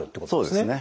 そうですね。